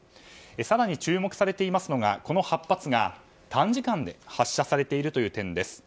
更に注目されているのがこの８発が短時間で発射されている点です。